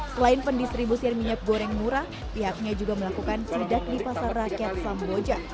selain pendistribusian minyak goreng murah pihaknya juga melakukan sidak di pasar rakyat samboja